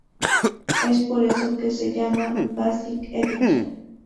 Es por eso que se llama Basic Edition.